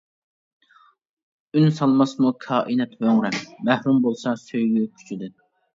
ئۈن سالماسمۇ كائىنات ھۆڭرەپ، مەھرۇم بولسا سۆيگۈ كۈچىدىن.